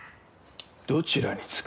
どちらにつく？